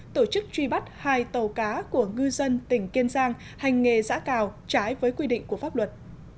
tổ chức truy bắt hai tàu cá của ngư dân tỉnh kiên giang hành nghề giã cào trái với quy định của pháp luật